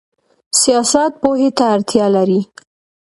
سیاست پوهې ته اړتیا لري